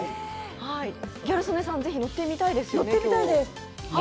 ギャル曽根さん、乗ってみたいですよね？